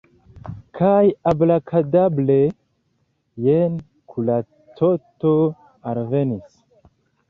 Kaj abrakadabre – jen kuracoto alvenis.